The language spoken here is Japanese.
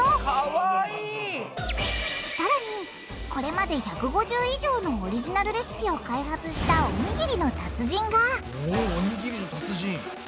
さらにこれまで１５０以上のオリジナルレシピを開発したおにぎりの達人がおおにぎりの達人！